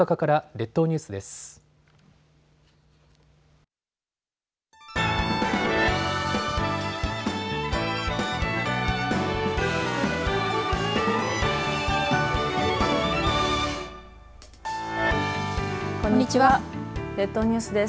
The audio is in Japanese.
列島ニュースです。